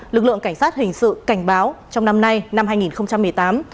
lực lượng cảnh sát hình sự cảnh báo trong năm nay năm hai nghìn một mươi tám